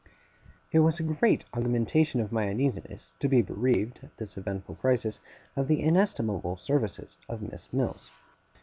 It was a great augmentation of my uneasiness to be bereaved, at this eventful crisis, of the inestimable services of Miss Mills.